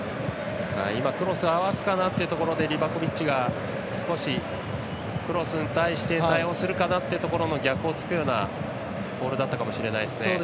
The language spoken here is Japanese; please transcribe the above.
クロスを合わせるかなというところでリバコビッチがクロスに対応するかなというところの逆を突くようなボールだったかもしれないですね。